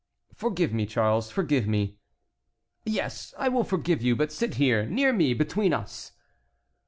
"Forgive me, Charles, forgive me." "Yes, I will forgive you. But sit here, near me, between us."